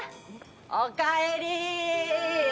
おかえり！